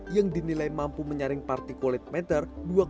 yang dinilai mampu menyaring partikulit meter dua lima